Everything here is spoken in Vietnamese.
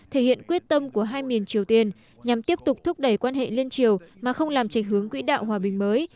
thể hiện quyết tâm của hai miền triều tiên nhằm tiếp tục thúc đẩy quan hệ liên triều mà không làm trạch hướng quỹ đạo hòa bình mới